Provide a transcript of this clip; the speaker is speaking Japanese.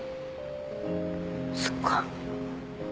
そっか。